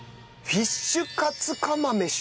フィッシュカツ釜飯。